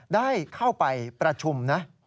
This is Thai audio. ได้เข้าไปประชุมนะ